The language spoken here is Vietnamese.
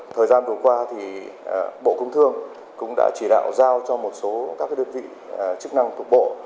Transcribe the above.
thời gian vừa qua thì bộ công thương cũng đã chỉ đạo giao cho một số các đơn vị chức năng thuộc bộ